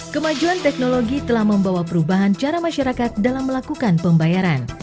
kemajuan teknologi telah membawa perubahan cara masyarakat dalam melakukan pembayaran